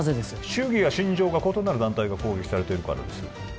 主義や信条が異なる団体が攻撃されているからです